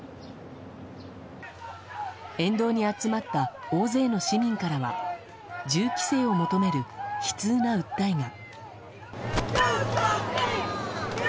沿道に集まった大勢の市民からは銃規制を求める悲痛な訴えが。